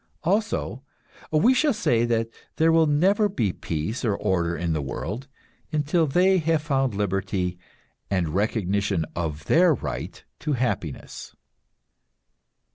Also, we shall say that there will never be peace or order in the world until they have found liberty, and recognition of their right to happiness.